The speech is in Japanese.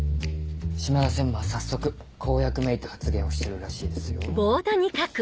島田専務は早速公約めいた発言をしてるらしいですよ。